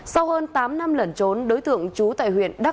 sau hơn tám năm lẩn trốn đối tượng trú tại huyện đắk